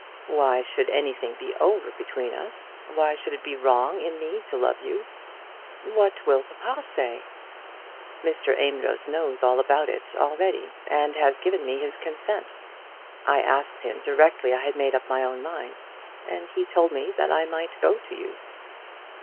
"Why should anything be over between us? Why should it be wrong in me to love you?" "What will papa say?" "Mr. Amedroz knows all about it already, and has given me his consent. I asked him directly I had made up my own mind, and he told me that I might go to you."